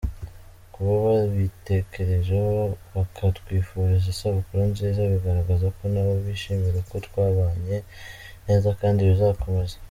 Kuba babitekerejeho bakatwifuriza isabukuru nziza bigaragaza ko nabo bishimira uko twabanye neza kandi bizakomeza.